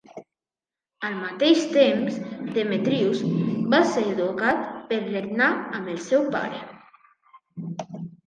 Al mateix temps, Demetrius va ser educat per regnar amb el seu pare.